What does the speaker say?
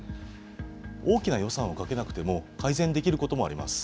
大きな予算をかけなくても、改善できることもあります。